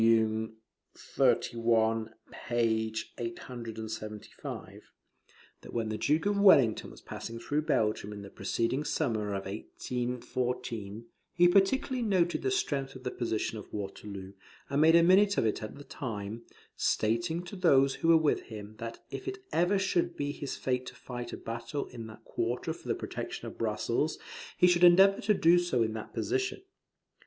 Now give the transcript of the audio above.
xxxi. p. 875.] that when the Duke of Wellington was passing through Belgium in the preceding summer of 1814, he particularly noticed the strength of the position of Waterloo, and made a minute of it at the time, stating to those who were with him, that if it ever should be his fate to fight a battle in that quarter for the protection of Brussels, he should endeavour to do so in that position.